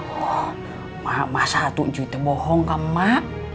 oh mak masa itu cuy tuh bohong ke mak